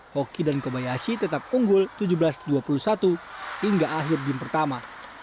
hoki dan kebayashi tetap unggul tujuh belas dua puluh satu hingga akhir game pertama